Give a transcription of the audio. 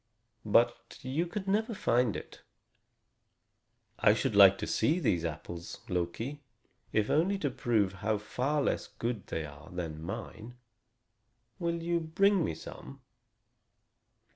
But you could never find it." "I should like to see these apples, Loki, if only to prove how far less good they are than mine. Will you bring me some?"